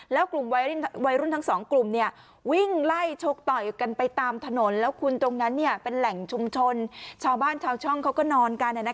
แล้วกลุ่มวัยรุ่นทั้งสองกลุ่มวิ่งไล่ชกต่อยกันไปตามถนนแล้วคุณตรงนั้นเป็นแหล่งชุมชนชาวบ้านชาวช่องเขาก็นอนกัน